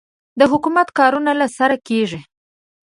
د حکومت کارونه له سره کېږي.